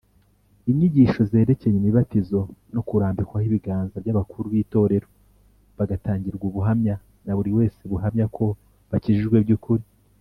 inyigisho zerekeye imibatizo no kurambikwaho ibiganza by’abakuru b’itorero bagatangirwa ubuhamya naburi wese buhamya ko bakijijwe by’ukuri.